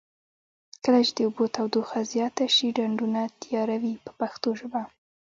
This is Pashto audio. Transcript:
کله چې د اوبو تودوخه زیاته شي ډنډونه تیاروي په پښتو ژبه.